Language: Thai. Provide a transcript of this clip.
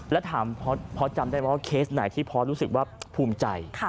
แล้วถามพอร์ตพอร์ตจำได้ว่าเคสไหนที่พอร์ตรู้สึกว่าภูมิใจ